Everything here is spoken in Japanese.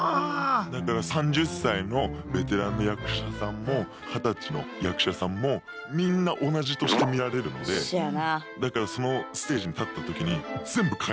だから３０歳のベテランの役者さんも二十歳の役者さんもみんな同じとして見られるのでだからそのステージに立ったときに全部変えなきゃいけないので。